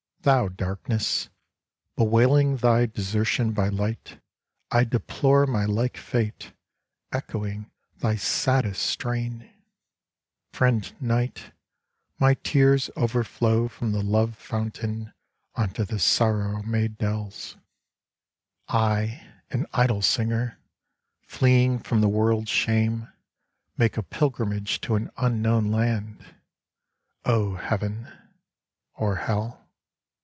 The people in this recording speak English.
Thou Darkness, bewailing thy desertion by Light, I deplore my like fate, echoing thy saddest strain !— Friend Night, my tears overflow from the love fountain unto the sorrow made dells ! 1 8 The Night Reverie in the Forest I, an idle singer, fleeing from the world's shame, make a pilgrimage to an unknown land — O Heaven — or Hell